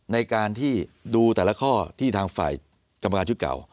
ในการที่ดูแต่ละข้อที่ทางฝ่ายกรรมการชุดเก่า